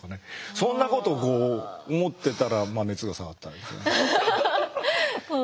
そんなことをこう思ってたら熱が下がったんですよね。